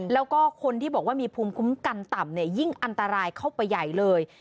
แล้วก็คนที่บอกว่ามีภูมิคุ้มกันต่ำเนี่ยยิ่งอันตรายเข้าไปใหญ่เลย